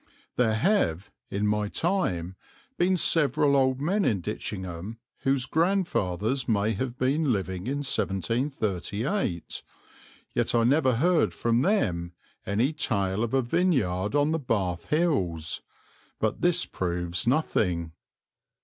There have, in my time, been several old men in Ditchingham whose grandfathers may have been living in 1738, yet I never heard from them any tale of a vineyard on the Bath Hills. But this proves nothing."